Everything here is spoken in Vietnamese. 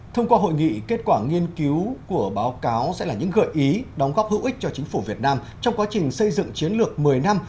thông qua hội nghị kết quả nghiên cứu của báo cáo sẽ là những gợi ý đóng góp hữu ích cho chính phủ việt nam trong quá trình xây dựng chiến lược một mươi năm